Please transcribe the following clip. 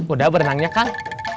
udah berenangnya kang